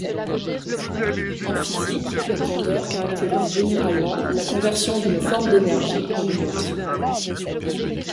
En physique, la grandeur caractérise généralement la conversion d'une forme d'énergie en une autre.